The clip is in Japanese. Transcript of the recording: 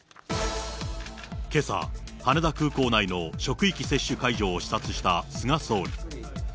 けさ、羽田空港内の職域接種会場を視察した菅総理。